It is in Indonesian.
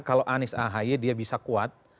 kalau anies ahy dia bisa kuat